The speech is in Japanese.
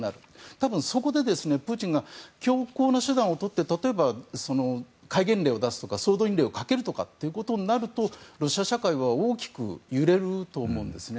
多分そこでプーチンが強硬な手段をとって例えば戒厳令を出す総動員令をかけるとなるとロシア社会は大きく揺れると思うんですね。